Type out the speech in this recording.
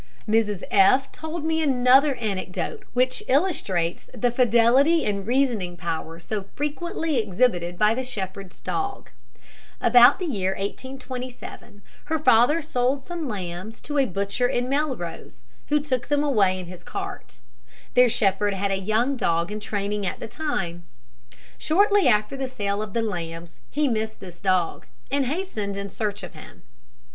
Mrs F told me another anecdote, which illustrates the fidelity and reasoning power so frequently exhibited by the shepherd's dog. About the year 1827, her father sold some lambs to a butcher in Melrose, who took them away in his cart. Their shepherd had a young dog in training at the time. Shortly after the sale of the lambs he missed this dog, and hastened in search of him.